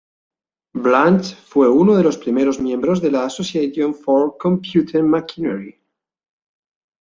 Blanch fue uno de los primeros miembros de la Association for Computing Machinery.